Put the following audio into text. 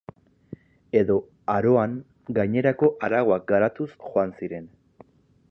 Edo Aroan gainerako arauak garatuz joan ziren.